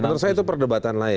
menurut saya itu perdebatan lain